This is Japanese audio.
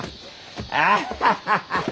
アハハハハ！